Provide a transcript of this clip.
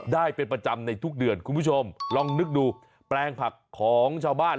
ได้เป็นประจำในทุกเดือนคุณผู้ชมลองนึกดูแปลงผักของชาวบ้าน